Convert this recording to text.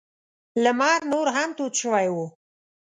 لمر نور هم تود شوی و.